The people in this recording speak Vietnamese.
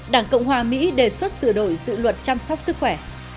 đảng cộng hòa mỹ đề xuất sửa đổi dự luật chăm sóc sức khỏe